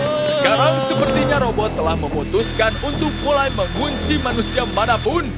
sekarang sepertinya robot telah memutuskan untuk mulai mengunci manusia manapun